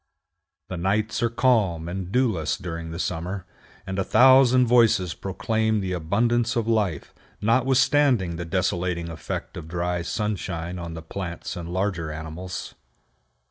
The nights are calm and dewless during the summer, and a thousand voices proclaim the abundance of life, notwithstanding the desolating effect of dry sunshine on the plants and larger animals.